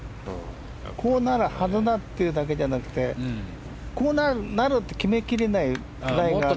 こうなるはずだっていうだけじゃなくてこうなるって決めきれないライがあって。